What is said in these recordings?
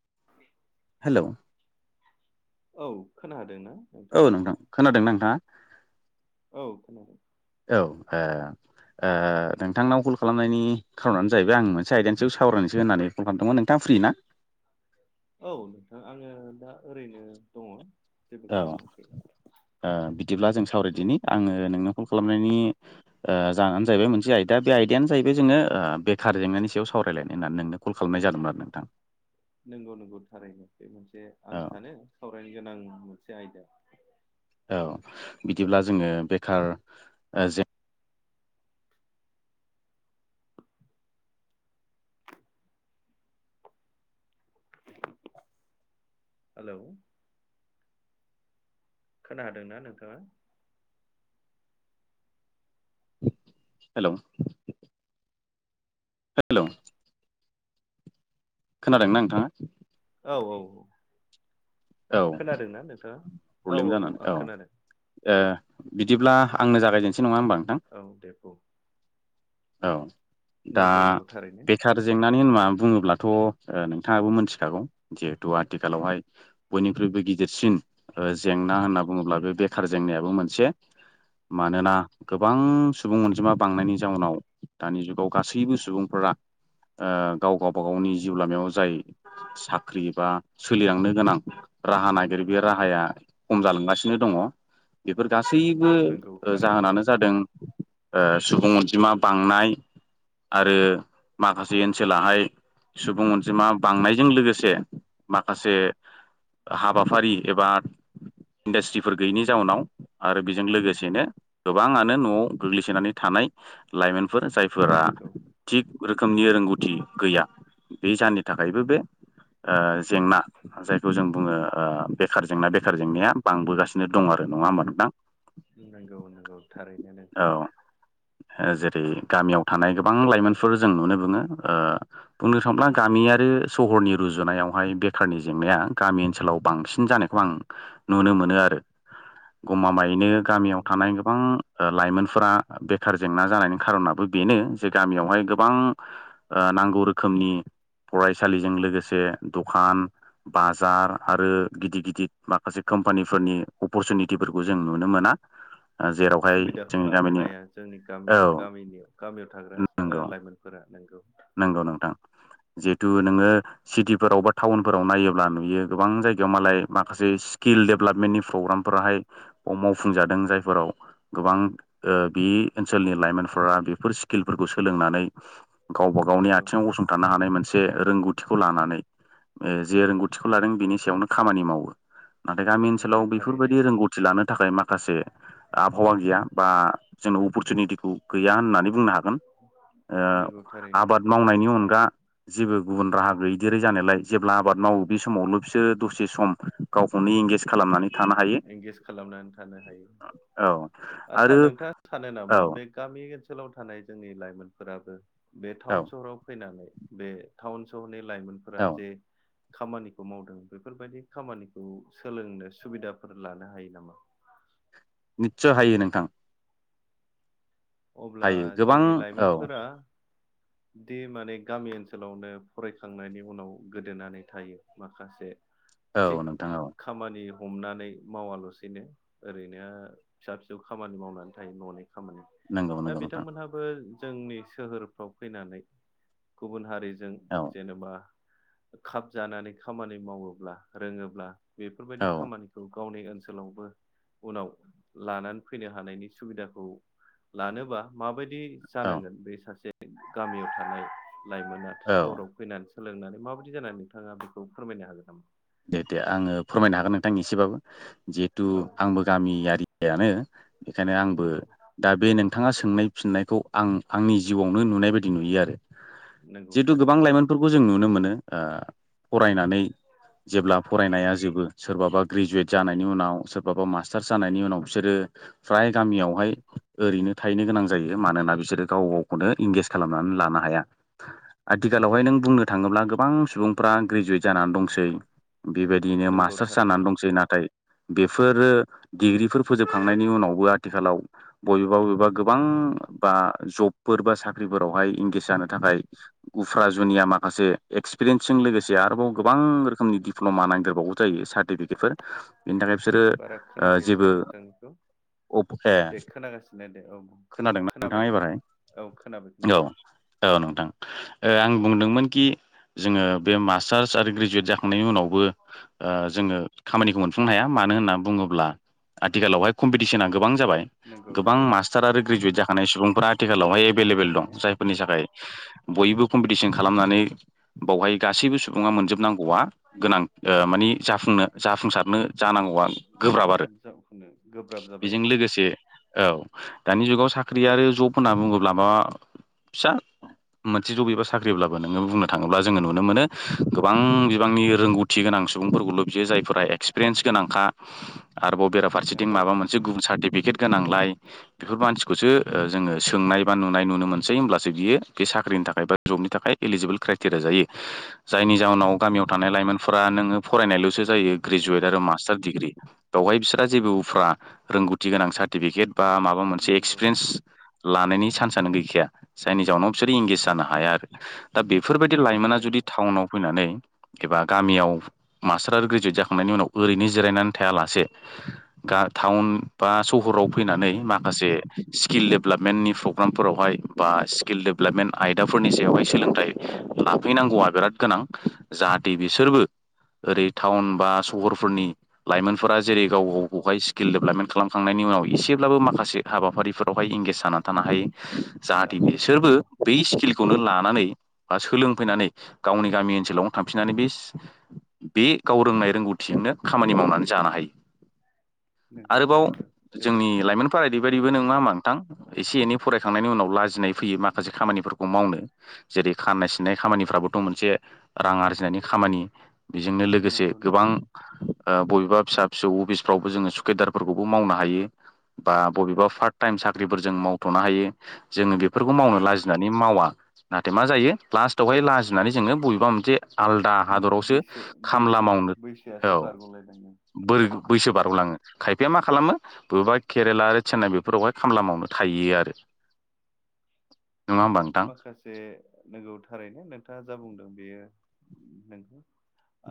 [inaudible] हेल' औ खोनादों ना औ नोंथां - खोनादोंना नोंथाङा औ खोनादों एह एह - नोंथांनाव कल खालामनायनि - खार'नानो जाहैबाय आं मोनसे आयदानि सायाव सावरायनोसो होननानै कल खालामदोंमोन नोंथां फ्रि ना औ नोंथां आङो दा ओरैनो दङ जेबो औ - ओह खालामाखै - बिदिब्ला जों सावरायदिनि आङो नोंनो कल खालामनायनि ओह - जाहोनानो जाहैबाय मोनसे आयदा बे आयदायानो जाहैबाय जोङो बेखार जेंनानि सायाव सावरायलायनाय होननानै नोंनो कल खालाम नाय जादोंमोन आरो नोंथां नंगौ- नंगौ थारैनो बे मोनसे औ आं सानो सावरायनो गोनां मोन से आयदा औ - बिदिब्ला जोङो बेखार - ओह जें हेल' खोनादोंना नोंथाङा हेल' हेल' खोनादोंना नोंथाङा औ - औ औ खोनादोंना नोंथाङा - औ - औ - औ आं खोनादों ए - बिदिब्ला आंनो जागायजेनसै नङा होमबा नोंथां औ दे बुं औ - दा नंगौ नंगौ थारैनो - बेखार जेंना होना बुङोब्लाथ' - नोंथाङाबो मोनथिखागौ - जिहेथु आथिखालावहाय - बयनिख्रुबो गि गिदिरसिन - ओ - जेंना होनना बुङोब्ला बे बेखार जेंनायाबो मोनसे मानोना - गोबां सुबुं अनजिमा बांनायनि जाउनाव दानि जुगाव गासैबो सुबुंफोरा ओ - गाव - गावबा गावनि जिउ लामायाव जाय - साख्रि एबा - सोलिलांनो गोनां राहा नागिरो बे राहाया - खम जालांगासिनो दङ बेफोर गासैबो नंगौ - थारैनो जाहोनानो जादों ओह - सुबुं अनजिमा बांनाय - आरो - माखासे ओनसोलाहाय सुबुं अनजिमा बांनायजों लोगोसे माखासे हाबाफारि एबा - इन्डास्ट्रिफोर गैयिनि जाउनाव - आरो बेजों लोगोसे बेनो - गोबाङानो न'आव गोग्लैसोनानै थानाय - लाइमोन फोर जायफोरा नंगौ - थिग रो खोमनि रोंगौथि - गैया बे जाहोननि थाखायबो बे ओह - जेंना - जायखौ जों बुङो ओह बेखार जेंना बेखार जेंनाया बांबोगासिनो दं आरो नङा होमबा नों थां नंगौ- नंगौ थारैनो नोंथां औ ओ जेरै गामियाव थानाय गोबां लाइमोनफोर जों नुनो मोनो ओ बुंनो थाङोब्ला गामियारि आरो सहरनि रुजुनायावहाय बेखारनि जेंनाया गामि ओनसोलाव बांसिन जानायखौ आं नुनो मोनो आरो गमा माइ बेनो नंगौ गामियाव मा थानाय गोबां लाइमोन फोरा बेखार जेंना जानायनि खारनाबो बेनो जे गामियावहाय गोबांओ नांगौ रोखोम नि फरायसालिजों लोगोसे दखान -बाजार आरो गिदिर- गिदिर माखासे कम्पानिफोरनि अपरसुनिटिफोरखौ जों नुनो मोना जेरावहाय सुबिदाखौ जोंनि लानो गामिनि हाया जोंनि गामि औ गामिनि गामियाव थाग्रा लाइमोनफोरानो नोंगौ नोंगौ नोंथां जिहेतु नोङो सिटिफोराव बा टाउनफोराव नायोब्ला नुयो गोबां जायगायाव मालाय माखासे स्किल डेभेलपमेन्टनि प्रग्रामफोराहाय अ मावफुंजादों जायफोराव गोबां ओ बि ओनसोलनि लाइमोनफोरा बेफोर स्किलफोरखौ सोलोंनानै गावबा गावनि नंगौ आथिङाव गसंथानो हानाय मोनसे रोंगौथिखौ लानानै ओ जे रोंगौथिखौ लादों बिनि सायावनो खामानि मावो नाथाय गामि ओनसोलाव नंगौ थारैनो बेफोरबायदि रोंगौथि लानो थाखाय माखासे आबहावा गैया बा जोंनो अपरसुनिटिखौ गैया होननानै बुंनो हागोन ओ नंगौ थारैनो आबाद मावनायनि अनगा जेबो गुबुन राहा गैदेरै जानायलाय जेब्ला आबाद मावो बे समावल' बिसोर दसे सम गावखौनो इंगेज खालामनानै थानो हायो एंगेज खालामनानै थानो हायो औ आदसा आरो नोंथाङा थानो नामा औ बे गामि ओनसो ओनोलाव थानाय जोंनि लाइमोनफोराबो बे औ टाउन सहराव फैनानै बे टाउन सहरनि लाइमोनफोरा औ जे खामानिखौ मावदों बेफोरबायदि खामानिखौ सोलोंनो सुबिदाफोर लानो हायो नामा निस' हायो नोंथां अब्ला हायो गोबां जोंनि औ लाइमोनफोरा दि माने गामि ओनसोलावनो फरायखांनायनि उनाव गोदोनानै थायो माखासे औ थिग नोंथां औ खामानि हमनानै मावाल'सैनो ओरैनो फिसा फिसौ खामानि मावनानै थायो न'नि खामानि नंगौ दा नंगौ नोंथां बिथांमोनहाबो जोंनि सोहोरफ्राव फैनानै गुबुन हारिजों जों औ जेनेबा खाब जानानै खामानि मावोब्ला रोङोब्ला बेफोरबायदि औ खामानिखौ गावनि ओनसोलावबो उनाव लानानै फैनो हानायनि सुबिदाखौ लानोबा माबायदि औ जानांगोन बे सासे गामियाव थानाय लाइमोना औ सहराव फैनानै सोलोंनानै माबायदि जानानै नोंथाङा बेखौ फोरमायनो हागोन नामा? दे दे आङो फोरमायनो हागोन नोंथांनि एसेबाबो जिहेथु औ आंबो गामियारिानो बेखायनो आंबो नंगौ दा बे न नोंथाङा सोंनाय फिननायखौ आं आंनि जिउआवनो नुनाय बायदि नुयो आरो नंगौ जिहेतु गोबां थारैनो लाइमोनफोरखौ जों नुनो मोनो ओ फरायनानै जेब्ला फरायनाया जोबो सोरबाबा ग्रेजुवेट जानायनि उनाव सोरबाबा मास्टार्स जानायनि उनाव बिसोरो ओ फ्राय गामियावहाय ओरैनो थाहैनो गोनां जायो मानोना बिसोरो गाव गावखौनो इंगेज खालामनानै नानो लानो हाया आथिखालावहाय नों बुंनो थाङोब्ला गोबां सुबुंफ्रा ग्रेजुवेट जानानै दं सै बेबायदियैनो नंगौ मास्टार्स थारैनो जानानै दंसै नाथाय बेफोरो डिग्रिफोर फोजोबखांनायनि उनावबो आथिखालाव बबेबा बबेबा गोबां बा जबफोर बा साख्रिफोरावहाय इंगेज जानो थाखाय गुफ्रा जुनिया माखासे एक्सपिरियेन्सजों लोगोसे आरोबाव गोबां रोखोमनि दिप्ल'मा नांदेरबाओ जायो सार्टिफिकेटफोर बिनि थाखाय बिसोरो बारा ओ खोनाफैयासै जेबो नोंथांनिखौ अप ए दे खोनागासिनो दे औ खोनादोंना खोनाबाय नोंथाङा दे एबारहाय औ खोनाबाय औ खोनाबाय। औ नोंथां आं बुंदोंमोन कि जोङो बे मास्टार्स आरो ग्रेजुवेट जाखां थांनायनि उनावबो जोङो खामानिखौ मोनफुंनो हाया मानो होनना बुङोब्ला आथिखालावहाय कम्पिटिसना गोबां जाबाय नंगौ गोबां नंगौ मास्टार आरो ग्रेजुवेट जाखानाय सुबुंफोरा्रा आथिखालावहाय नंगौ एभेलेबेल दं थारैनो जायफोरनि थाखाय बयबो कम्पिटिसन खालामनानै बावहाय गासैबो सुबुङा मोनजोबनांगौआ गोनां माने जाफुंनो जाफुंसारनो जानांगौआ गोब्राब आरो जावखुनो गोब्राब जाबाय बेजों आरो लोगोसे औ दानि जुगाव साख्रि आरो जब होनना बुङोब्ला मा फिसा मोनसे जब एबा साख्रिब्लाबो नोङो बुंनो थाङोब्ला जोङो नुनो मोनो गोबां बिबांनि रोंगौथि गोनां सुबुंफोरखौल' बियो जायफोरा एक्सपिरियेन्स गोनांखा आरोबेा फारसेथिं नंगौ माबा मोनसे गुबुनारटिफिक पिकेट गोनांलाय बेफोर मानसिखौसो जोङो सोंनाय बा नुनाय नुनो मोनसै होमब्लासो बियो बे साखि साख्रिनि थाखाय बा जबनि थाखाय इलिजिबोल क्राइटेरिया जायो जायनि जाउनाव गामियाव थानाय लाइमोन फ्रा नोङो फरायनायल'सो जायो ग्रेजुवेट नंगौ आरो मास्टार डिग्रि बेवहाय बिसिहा जेबो उफ्रा रोंगौथि गोनां साटिफिकेट बा माबा मोनसे नंगौ एक्सपिरियेन्स लानायनि चान्सआनो गैखाया जाइनिजावनाव बिसोरो इंगेज जानो हाया आरो दा बेफोरबायदि नंगौ लाइमोना थारैनो जुदि टाउनाव फैनानै एबा गामियाव मास्टार आरो ग्रेजुवेट जाखांनायनि उनाव ओरैनो जिरायनानै थायालासे गा टाउन बा सहराव नंगौ फैनानै थारैनो माखासे स्किल डेभेलपमेन्टनि प्रग्रामफोरावहाय बा स्किल डेभेलपमेन्ट आयदाफोरनि सायावहाय सोलोंथाइ लाफैनांगौआ बिराद गोनां जाहाथ बिसोरबो ओरै टाउन बा सहरफोरनि लाइमोन फोरफोरा जेरै गाव गाव गावहाय स्किल डेभेलपमेन्ट खालामखांनायनि उनाव इसेब्लाबो माखासे हाबाफारिफोर बावहाय इंगेज जानानै थानो हायो जाहाथे जानानै बिसोरबो नंगौ बै स्किलखौनो लानानै बा सोलोंफैनानै गावनि गामि ओनसोलावनो थांफिननानै बेस बे गाव रोंनाय रोंगौथिजोंनो खामानि मावनानै जानो हायो नंगौ आरोबाव थारैनो जोबोद जोंनि जोबोद लाइमोनफोरादिबायदिबो नोंङा हा मोजां नोंथां इसे एनै फरायखांनायनि उनाव लाजिनाय फैयो माखासे खामानिफोरखौ मावनो जेरै खाननाय सिननाय खामानिफ्राबोथ' मोनसे रां आरजि फिनायनि खामानि बेजोंनो लोगोसे नंगौ गोबां नंगौ ओ बबेबा फिसा फिसौ अफिसफ्रावबो जोङो सुकेदारफोरखौबो मावनो हायो। बा बबेबा फार्ट टाइम साख्रिफोर जों मावथ'नो हायो जोङो बे फोरफोरखौ मावनो नंगौ लाजिनानै मावा नाथाय मा जायो लास्टावहाय लाजिनानै जोङो बबेबा मोनसे आलदा हादरावसो बैसो खामला बैसो बैसोआसो बारग'लायदां बोरै बैसो बारग'लाङो खायफ बे मा खालामो बबेबा केरेला आरो चेन्नाइ बेफोरावहाय खामला मावनो थाहैयो आरो [inaudible] नोंगौ नोंथां माखासे नंगौ थारैनो नोंथाङा जा बुंदों बेयो नोंगौ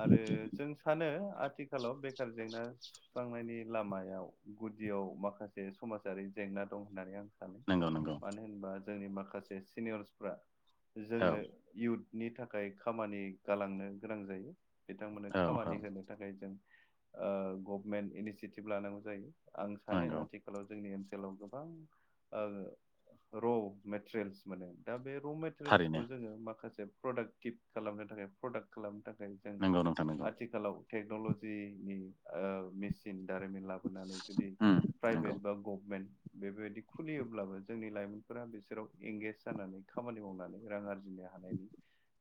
आरो जों सानो आथिखालाव बेखार जेंना सुस्रांनायनि लामायाव गुदियाव माखासे समाजारि जेंना जेंना दं होननानै आं सानो नोंगौ नोंगौ। मानो होनबा जोंनि माखासे सिनियरसफ्रा औ जोंनो इउथ नि थाखाय खामानि गालांनो गोनां जायो बिथांमोननो औ औ खामानि होनो थाखाय जों ओ गभमेन्ट इनिसियेटिभ लानांगौ जायो आं सानो नंगौ आथिखालाव जोंनि गोबां ओ र मेट्रिस मोनो दा बे र' मेटेरयेल्सखौ थारैनो जोङो माखासे प्रडाक्टिभ खालामनो थाखाय प्रडाक्ट खालामनो थाखाय जों नंगौ नोंथां नंगौ आथिखालाव टेक्नलजिनि ओ मेसिन जारिमिन लाबोनानै जुदि उम नंगौ प्राइभेट बा गभमेन्ट बेबायदि खुलियोब्लाबो जोंनि लाइमोनफोरा बिसोराव एंगेज जानानै खामानि मावनानै राङि नो हानायनि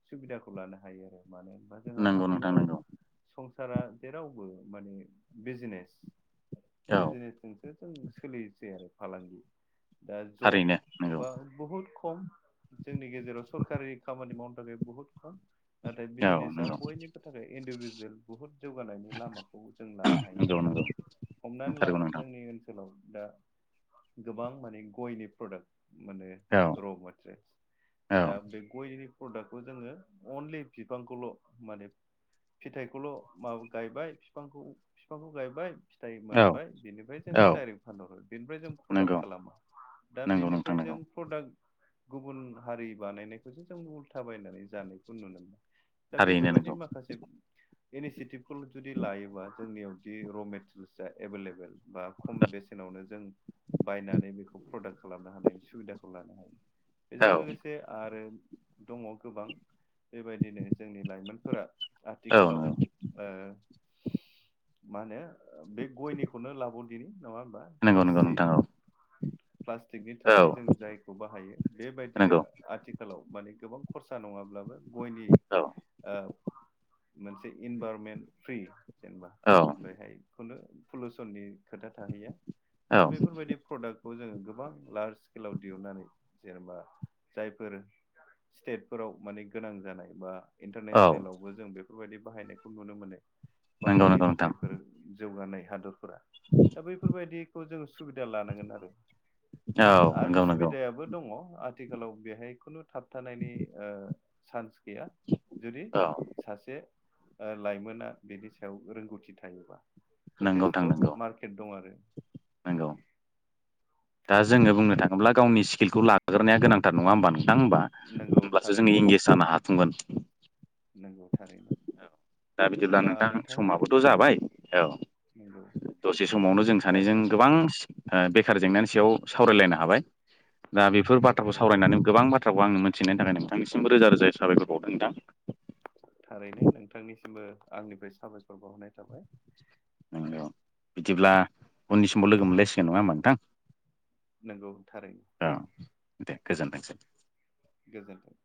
सुबिदाखौ लानो हायो आरो मानो होना जोंहा नंगौ नोंथां आथिखालाव नंगौ सं सारा जेरावबो माने बिजिनेस औ बिजिनेसजोंसो जों सोलिनोसै आरो फालांगि। थारैनो नोंगौ। बुहुद खम जोंनि गेजेराव सरकारि खामानि मावनो थाखाय बुहुद नाथाय औ बिजिनेसा नंगौ बयनिबो थाखाय इन्डिभिजुयेल बुहुद जौगानायनि लामाखौ जों लानो हायो नंगौ आरो। नंगौ हमनानै ला नंथारगौ नोंथां जोंनि ओनसोलाव दा गोबां माने गयनि प्रडाक्ट मोनो। औ र औ [unintelligible] दा बे गयनि प्रडाक्टखौ जोङो अनलि बिफांखौल' माने फिथाइखौल' मा गायबाय बिफांखौ बिफांखौ गायबाय फिथाइ मोनबाय औ बिनिफ्राय जोङो औ डाइरेक्ट फानहरो बेनिफ्राय जों प्रडाक्ट नंगौ खालामा। दा नंगौ नोंथां बेनिफ्राय जों नंगौ प्रडाक्ट गुबुन हारि बानायनायखौसो जों उल्था बायनानै जानायखौ नुनो मोनो। दा थारैनो बेफोरबायदि नंगौ माखासे इनिसियेटिभखौ जुदि लायोबा जोंनियावदि र' मेटेरियेल्सआ एभेलेबल बा खम बेसेनाव जों बायनानै बेखौ प्रडाक्ट खालामनो हानायनि सुबिदा लानो हायो औ बेजों लोगोसे आरो दङ गोबां। बेबायदिनो जोंनि लाइमोनफोरा औ आथिखालाव नंगौ ओ मा होनो बे गयनिखौनो लाबाव दिनि नङा होमबा नंगौ नंगौ थोरसि? नोंथां प्लास्टिकनि औ औ थोरसि जों जायखौ बाहायो बेबायदिनो नंगौ आथिखालाव माने गोबां खरसा नङाब्लाबो गयनि औ ओ मोनसे इनभाररनमेन्ट फ्रि जेनेबा औ बेहाय खुनु पलुउसननि खोथा थाहैया दा औ बेफोरबायदि प्रडाक्ट खौ जोङो गोबां लार्ज स्केलाव दिहुनन्नानै जेनेबा जायफोर। स्टेटफोराव माने गोनां जानाय बा औ इन्टारनेसनेलावबो जों बेफोरबायदि बाहायनायखौ नुनो मोनो। नंगौ बाहायो नंगौ नोंथां जायफोर जौगानाय हादरफोरा दा बैफोरबायदिखौ जों सुबिदा लानांगोन आरो औ आरो नंगौ नंगौ सुबिदायाबो दङ। आथिखालाव बेहाय खुनु थाबथानायनि ओ सान्स गैया जुदि औ सासे। ओ लाइमोना बेनि सायाव रोंगौथि थायोबा। नंगौ नोंथां जथेस्थ' नंगौ मार्केट दं आरो। नंगौ दा जोङो बुंनो थाङोब्ला गावनि स्किलखौ लाग्रोनाया गोनांथार नङा होमबा नों थां होमबा नंगौ होमब्लासो जोङो इंगेज जानो हाथुमगोन। नंगौथारैनो। दा बिदिब्ला नोंथां समाबोथ' जाबाय औ। नंगौ दसे समावनो जों सानैजों गोबां ओ बेखार जेंनानि सायाव सावरायलायनो हाबाय दा बेफोर नंगौ बाथ्राखौ थारैनो सावरायनानै गोबां बाथ बाथ्राखौ आङो मिथिनायनि थाखाय नोंथांनिसिमबो रोजा रोजा साबायखावदों नोंथां। थारैनो नोंथांनिसिमबो आंनिफ्राय साबायखर बावहरनाय थाबाय। नंगौ बिदिब्ला उननिसिमाव लोगो मोनलायसिगोन नङा होमबा नोंथां? नंगौथारै दे। गोजोन्थोंसै। गोजोन्थों।